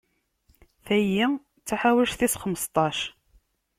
Tayi d taḥawact tis xmesṭac.